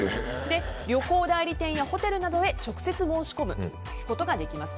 旅行代理店やホテルなどで直接申し込むことができます。